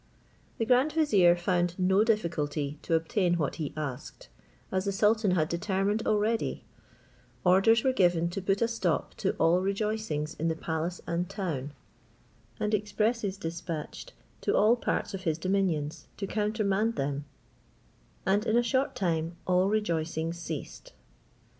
The grand vizier found no great difficulty to obtain what he asked, as the sultan had determined already; orders were given to put a stop to all rejoicings in the palace and town, and expresses dispatched to all parts of his dominions to countermand them; and, in a short time, all rejoicings ceased.